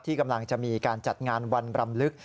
กำลังจะมีการจัดงานวันรำลึก